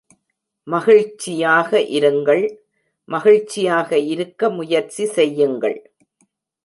மகிழ்ச்சியாக இருங்கள். மகிழ்ச்சியாக இருக்க முயற்சி செய்யுங்கள்.